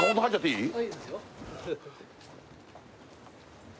いいですよ